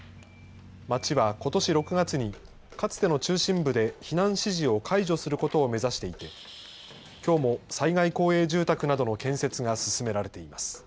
町はことし６月に、かつての中心部で避難指示を解除することを目指していて、きょうも災害公営住宅などの建設が進められています。